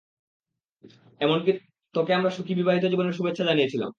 এমনকি তোকে আমরা সুখী বিবাহিত জীবনের শুভেচ্ছা জানিয়েছিলাম।